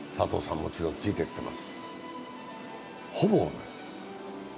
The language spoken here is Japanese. もちろんついてってます。